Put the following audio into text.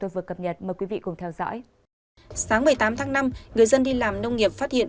tôi vừa cập nhật mời quý vị cùng theo dõi sáng một mươi tám tháng năm người dân đi làm nông nghiệp phát hiện